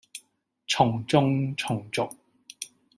從眾從俗